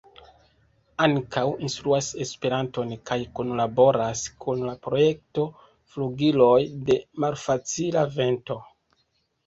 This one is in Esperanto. Ankaŭ instruas Esperanton kaj kunlaboras kun la projekto Flugiloj de Malfacila Vento.